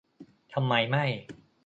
ทำไมไม่